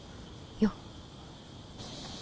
よっ。